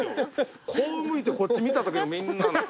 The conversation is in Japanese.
こう向いてこっち見たときのみんなのこの顔。